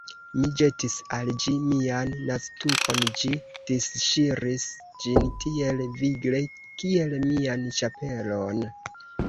Mi ĵetis al ĝi mian naztukon: ĝi disŝiris ĝin tiel vigle, kiel mian ĉapelon.